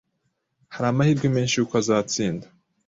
Hari amahirwe menshi yuko azatsinda.